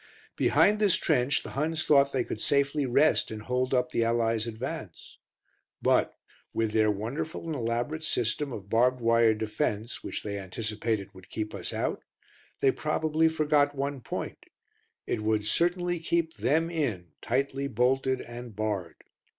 Behind this trench the Huns thought they could safely rest and hold up the Allies' advance. But, with their wonderful and elaborate system of barbed wire defence which they anticipated would keep us out, they probably forgot one point it would certainly keep them in tightly bolted and barred.